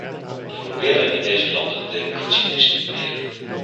We proberen in deze landen de democratie te stimuleren.